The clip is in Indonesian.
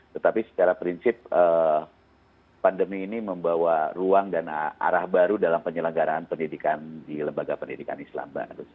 tetapi secara prinsip pandemi ini membawa ruang dan arah baru dalam penyelenggaraan pendidikan di lembaga pendidikan islam